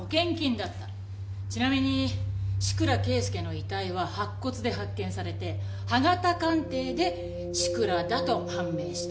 ちなみに志倉啓介の遺体は白骨で発見されて歯型鑑定で志倉だと判明した。